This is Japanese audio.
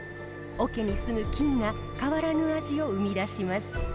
おけにすむ菌が変わらぬ味を生み出します。